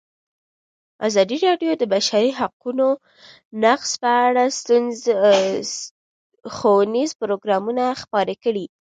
ازادي راډیو د د بشري حقونو نقض په اړه ښوونیز پروګرامونه خپاره کړي.